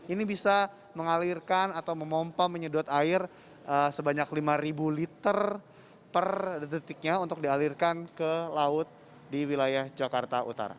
ini bisa mengalirkan atau memompa menyedot air sebanyak lima liter per detiknya untuk dialirkan ke laut di wilayah jakarta utara